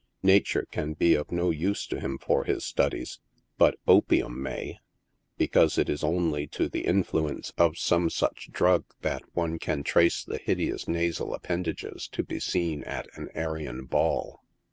Nature can be of no use to him for his studies, but opium may, because it is only to the influence of 114 NIGHT SIDE OF NEW YORK. some such drug that one can trace the hideous nasal appendages to be seen at an Arion Ball.